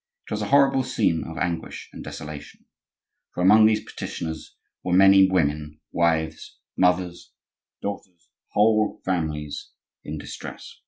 It was a horrible scene of anguish and desolation; for among these petitioners were many women, wives, mothers, daughters, whole families in distress.